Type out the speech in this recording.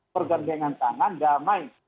pergandengan tangan damai